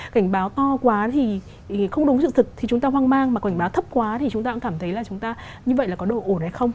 cảnh báo to quá thì không đúng sự thực thì chúng ta hoang mang mà cảnh báo thấp quá thì chúng ta cũng cảm thấy là chúng ta như vậy là có độ ổn hay không